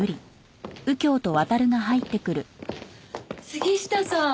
杉下さん！